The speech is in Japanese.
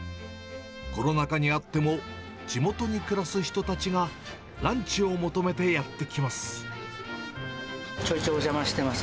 コロナ禍にあっても、地元に暮らす人たちがランチを求めてやって来ます。